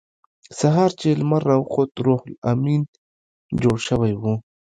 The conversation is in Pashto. سهار چې لمر راوخوت روح لامین جوړ شوی و